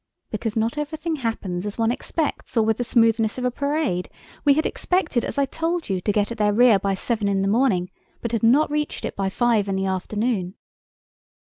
"Because not everything happens as one expects or with the smoothness of a parade. We had expected, as I told you, to get at their rear by seven in the morning but had not reached it by five in the afternoon."